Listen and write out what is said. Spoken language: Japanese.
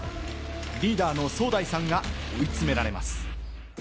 リーダーのソウダイさんが追い詰められます。